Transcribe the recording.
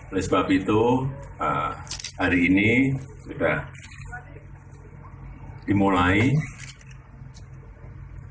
oleh sebab itu hari ini sudah dimulai pembangunan bandara jenderal besar sudirman